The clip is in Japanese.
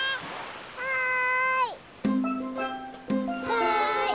はい。